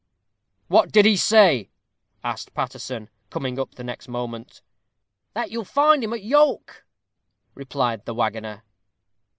"What did he say?" asked Paterson, coming up the next moment. "That you'll find him at York," replied the waggoner.